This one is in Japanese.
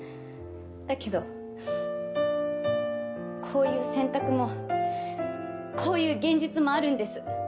だけどこういう選択もこういう現実もあるんです。